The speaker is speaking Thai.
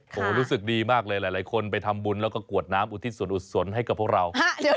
โอ้โหรู้สึกดีมากเลยหลายคนไปทำบุญแล้วก็กวดน้ำอุทิศส่วนอุศลให้กับพวกเรา